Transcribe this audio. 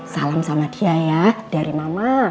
salam sama dia ya dari mama